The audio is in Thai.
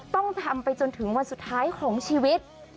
ต้องทำไปจนถึงวันสุดท้ายของชีวิต